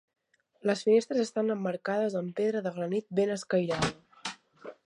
Les finestres estan emmarcades amb pedra de granit ben escairada.